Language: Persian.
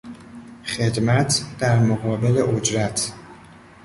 خدمت در مقابل اجرت